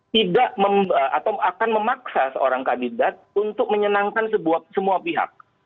tidak akan memaksa seorang kandidat untuk menyenangkan semua pihak